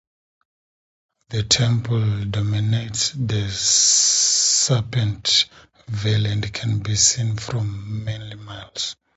The temple dominates the Sanpete Valley, and can be seen from many miles.